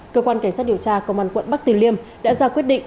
cơ quan cảnh sát điều tra công an quận bắc từ liêm đã ra quyết định